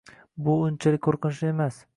Bu unchalik qo'rqinchli emas